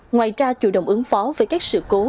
ngoài ra chủ động ứng phó với các sự cố